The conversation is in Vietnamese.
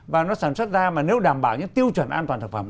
và nó sản xuất ra mà nếu đảm bảo những tiêu chuẩn an toàn thực phẩm